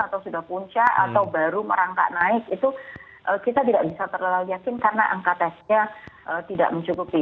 atau sudah puncak atau baru merangkak naik itu kita tidak bisa terlalu yakin karena angka tesnya tidak mencukupi